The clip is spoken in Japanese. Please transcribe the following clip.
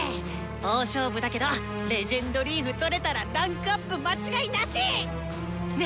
大勝負だけど「レジェンドリーフ」とれたら位階アップ間違いなし！ね！